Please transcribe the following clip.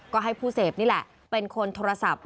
ก็ให้ผู้เสพนี่แหละเป็นคนโทรศัพท์